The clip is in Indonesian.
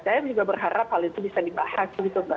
saya juga berharap hal itu bisa dibahas